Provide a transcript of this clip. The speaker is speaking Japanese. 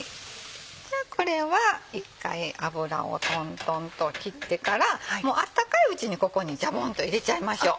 じゃあこれは一回油をトントンと切ってからもう温かいうちにここにジャボンと入れちゃいましょう。